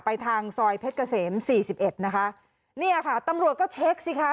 ทางซอยเพชรเกษมสี่สิบเอ็ดนะคะเนี่ยค่ะตำรวจก็เช็คสิคะ